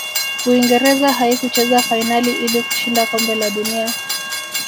uingereza haikucheza fainali ili kushinda kombe la dunia